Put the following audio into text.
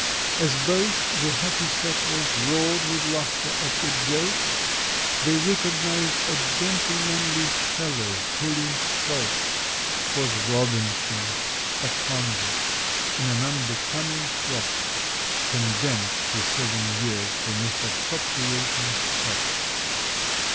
As both the happy settlers roared with laughter at the joke, They recognized a gentlemanly fellow pulling stroke: 'Twas ROBINSON—a convict, in an unbecoming frock! Condemned to seven years for misappropriating stock!!!